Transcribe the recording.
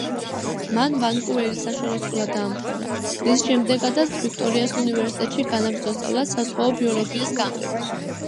მან ვანკუვერის საშუალო სკოლა დაამთავრა, რის შემდეგაც ვიქტორიას უნივერსიტეტში განაგრძო სწავლა საზღვაო ბიოლოგიის განხრით.